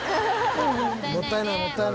もったいないね。